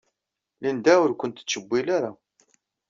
Linda ur ken-tettcewwil ara.